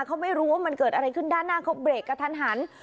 เขาไม่รู้ว่ามันเกิดอะไรขึ้นด้านหน้าเขาเบรกกระทันหัน